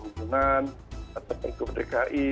mengingatnya dari menteri perhubungan atau dari dki